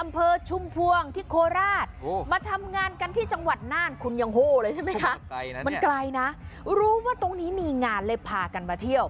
เพราะว่าตรงนี้มีงานเลยพากันมาเที่ยว